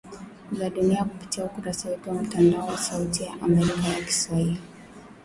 za dunia kupitia ukurasa wetu wa mtandao wa sauti ya Amerika ya kiswahili